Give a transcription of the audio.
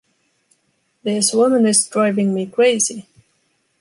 This woman is driving me crazy!